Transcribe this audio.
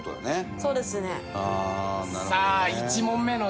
そうですね。